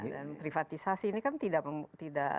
dan privatisasi ini kan tidak